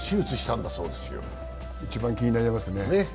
一番気になりますね。